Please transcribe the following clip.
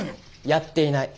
やっていない。